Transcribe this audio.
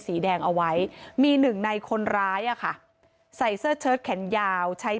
สีแดงเอาไว้มีหนึ่งในคนร้ายอ่ะค่ะใส่เสื้อเชิดแขนยาวใช้